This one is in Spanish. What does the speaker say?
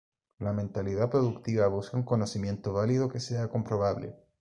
La mentalidad productiva busca un conocimiento válido que sea comprobable.